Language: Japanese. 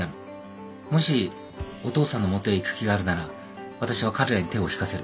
もしお父さんの元へ行く気があるなら私は彼らに手を引かせる。